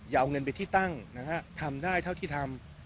เอาเงินไปที่ตั้งนะฮะทำได้เท่าที่ทำ